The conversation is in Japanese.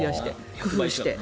工夫して。